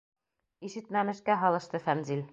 Ишетмәмешкә һалышты Фәнзил.